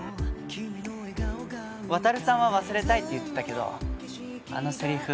渉さんは忘れたいって言ってたけどあの台詞